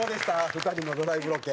２人のドライブロケ。